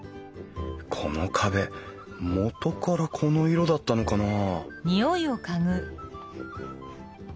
この壁元からこの色だったのかな？